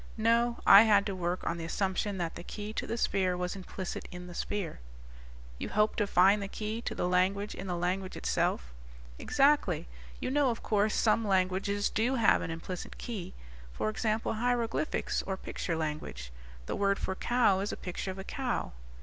No, I had to work on the assumption that the key to the sphere was implicit in the sphere." "You hoped to find the key to the language in the language itself?" "Exactly. You know, of course, some languages do have an implicit key? For example hieroglyphics or picture language. The word for cow is a picture of a cow."